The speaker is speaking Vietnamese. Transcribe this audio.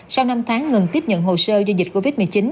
sau năm tháng ngừng tiếp nhận hồ sơ do dịch covid một mươi chín